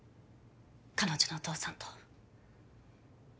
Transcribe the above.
彼女のお父さんと。